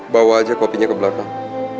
bawa aja kopinya ke belakang